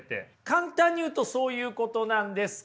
簡単に言うとそういうことなんですけれども。